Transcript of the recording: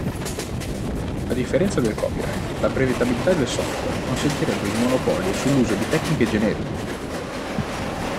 A differenza del copyright la brevettabilità del software consentirebbe un monopolio sull'uso di tecniche generiche.